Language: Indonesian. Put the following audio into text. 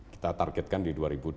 kita targetkan di